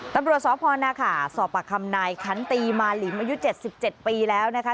ตำรวจสอบพรณ์นะคะสอบประคำนายคันตีมาลินอายุ๗๗ปีแล้วนะคะ